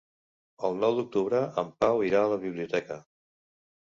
El nou d'octubre en Pau irà a la biblioteca.